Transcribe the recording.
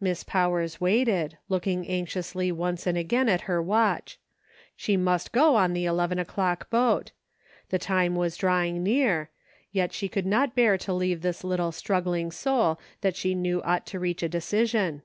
Miss Powers waited, looking anxiously once and again at her watch. She must go on the eleven o'clock boat ; the time was drawing near, yet she could not bear to leave this little struggling soul that she knew ought to reach a decision.